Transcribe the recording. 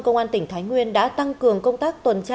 công an tỉnh thái nguyên đã tăng cường công tác